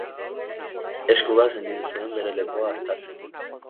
Esku bat sentitu zuen bere lepoa haztatzen.